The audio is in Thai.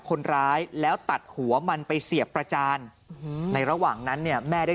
คนร้ายแล้วตัดหัวมันไปเสียบประจานในระหว่างนั้นเนี่ยแม่ได้